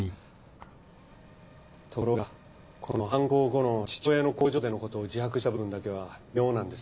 ところがこの犯行後の父親の工場でのことを自白した部分だけは妙なんです。